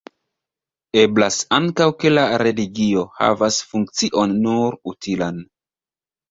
Eblas ankaŭ ke la religio havas funkcion nur utilan.